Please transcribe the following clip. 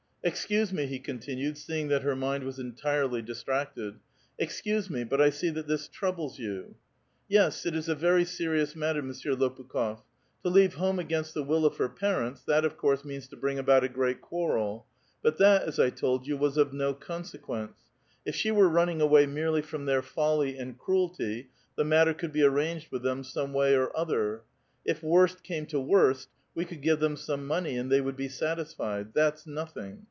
^^ Excuse me," he continued, seeing that her mind was entirely distracted. *' Excuse me, but 1 see that this trou bles vou." *•' Yes, it is a very serious matter, Monsieur Lopukh6f. To leave home against the will of her parents ; that of course means to bring about a great quarrel. But that, as I told you, was of no consequence. If she were running away merely from their folly and cruelty, the matter could be arranged with them some way or other ; if worst came to woret, we could give them some money, and they would be satisfied. That's nothing.